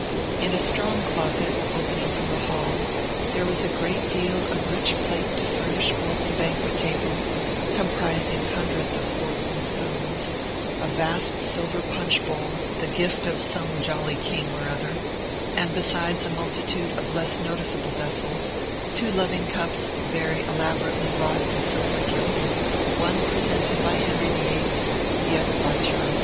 In a strong closet, opening from the hall, there was a great deal of rich plate to furnish forth the banquet table, comprising hundreds of forks and spoons, a vast silver punch bowl, the gift of some jolly king or other, and, besides a multitude of less noticeable vessels, two loving cups, very elaborately wrought in silver gilt, one presented by Henry VIII., the other by Charles II.